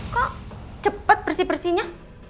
kok cepet bersih bersihnya